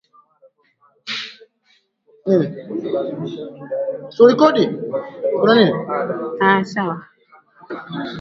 kuzungumza kwa ukaribu na Jackson badala ya kuuliza maswali ya moja kwa moja